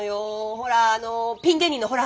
ほらあのピン芸人のほら。